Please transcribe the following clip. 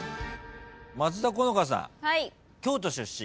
松田好花さん京都出身。